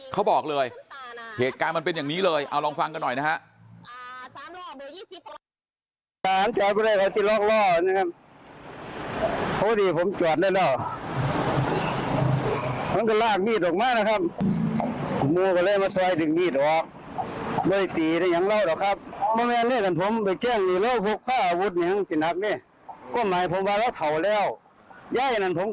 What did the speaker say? เขาบอกเลยเหตุการณ์มันเป็นอย่างนี้เลยเอาลองฟังกันหน่อยนะฮะ